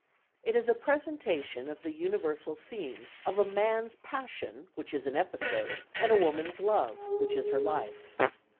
It is a presentation of the universal theme of a man's passion, which is an episode, and a woman's love, which is her life.